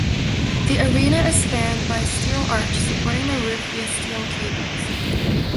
The arena is spanned by a steel arch supporting the roof via steel cables.